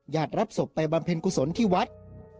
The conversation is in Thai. ญาติรับศพไปบำเพ็ญกุศลที่วัฒน์